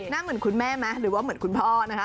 เหมือนคุณแม่ไหมหรือว่าเหมือนคุณพ่อนะคะ